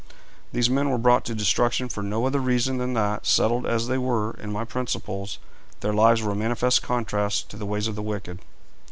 These men were brought to destruction for no other reason than that, settled as they were in my principles, their lives were a manifest contrast to the ways of the wicked.